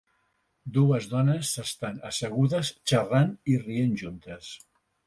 Dues dones s'estan assegudes xerrant i rient juntes.